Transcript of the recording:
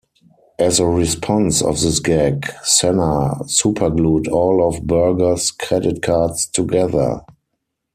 As a response to this gag, Senna superglued all of Berger's credit cards together.